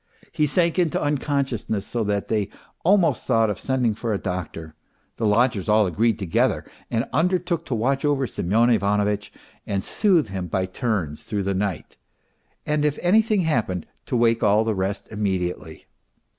He sank into unconsciousness, so that they almost thought of sending for a doctor; the lodgers all agreed together and undertook to watch over Semyon Ivanovitch and soothe him by turns through the night, and if anything happened to wake all the rest immediately.